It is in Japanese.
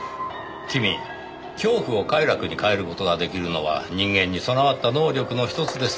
君恐怖を快楽に変える事ができるのは人間に備わった能力の一つですよ。